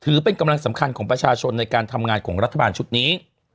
กำลังสำคัญของประชาชนในการทำงานของรัฐบาลชุดนี้